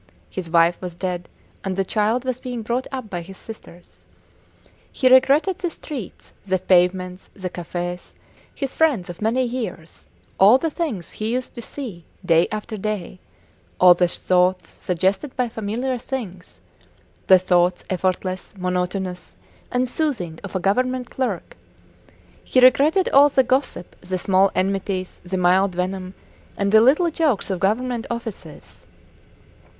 His wife was dead, and the child was being brought up by his sisters. He regretted the streets, the pavements, the cafes, his friends of many years; all the things he used to see, day after day; all the thoughts suggested by familiar things the thoughts effortless, monotonous, and soothing of a Government clerk; he regretted all the gossip, the small enmities, the mild venom, and the little jokes of Government offices.